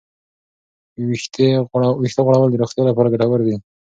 ویښتې غوړول د روغتیا لپاره ګټور دي.